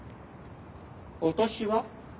お年は？